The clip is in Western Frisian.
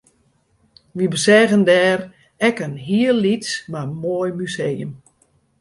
Wy beseagen dêr ek in hiel lyts mar moai museum